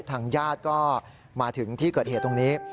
ทางญาติก็มาถึงที่เกิดเหตุตรงนี้